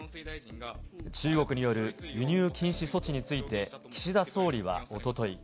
中国による輸入禁止措置について、岸田総理はおととい。